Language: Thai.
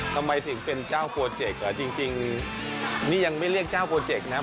ทำไมถึงเป็นเจ้าโปรเจกต์จริงนี่ยังไม่เรียกเจ้าโปรเจกต์นะ